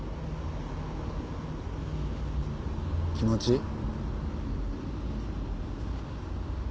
気持ちいい？